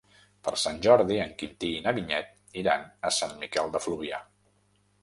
Per Sant Jordi en Quintí i na Vinyet iran a Sant Miquel de Fluvià.